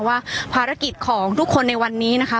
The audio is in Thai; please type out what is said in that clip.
ว่าภารกิจของทุกคนในวันนี้นะคะ